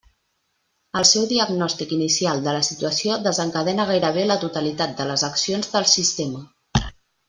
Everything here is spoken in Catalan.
El seu diagnòstic inicial de la situació desencadena gairebé la totalitat de les accions del sistema.